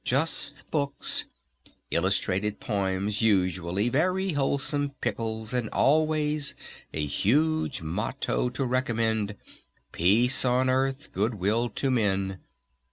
Just books, illustrated poems usually, very wholesome pickles, and always a huge motto to recommend, "Peace on Earth, Good Will to Men."